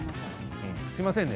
すみませんね。